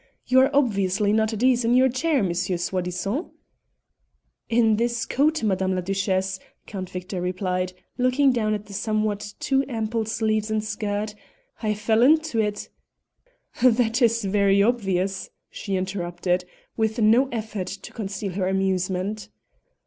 You are obviously not at ease in your chair, Monsieur Soi disant." "It is this coat, Madame la Duchesse," Count Victor replied, looking down at the somewhat too ample sleeves and skirt; "I fell into it " "That is very obvious," she interrupted, with no effort to conceal her amusement.